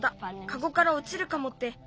カゴからおちるかもって。